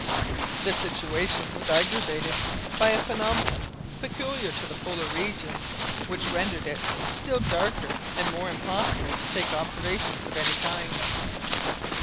The situation was aggravated by a phenomenon peculiar to the Polar regions, which rendered it still darker and more impossible to take observations of any kind.